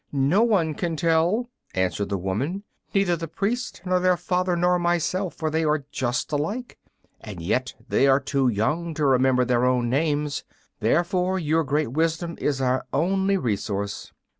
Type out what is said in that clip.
"No one can tell," answered the woman; "neither the priest nor their father nor myself, for they are just alike. And they are yet too young to remember their own names. Therefore your great wisdom is our only resource."